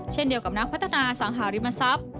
เช่นเดียวกับนักพัฒนาสังหาริมทรัพย์